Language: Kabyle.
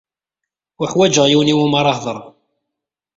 Uḥwaǧeɣ yiwen i wumi ara heḍṛeɣ.